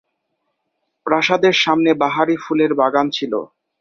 প্রাসাদের সামনে বাহারি ফুলের বাগান ছিল।